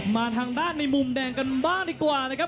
มาทางด้านในมุมแดงกันบ้างดีกว่านะครับ